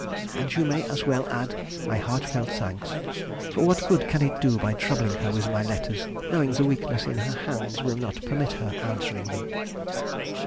And you may as well add my heartfelt thanks; for what good can it do troubling her with my letters, knowing the weakness in her hands will not permit her answering them....